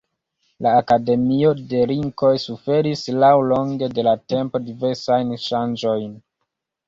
La Akademio de Linkoj suferis laŭlonge de la tempo diversajn ŝanĝojn.